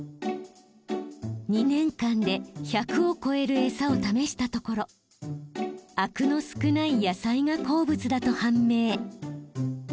２年間で１００を超える餌を試したところあくの少ない野菜が好物だと判明。